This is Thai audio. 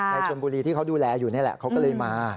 ชนบุรีที่เขาดูแลอยู่นี่แหละเขาก็เลยมา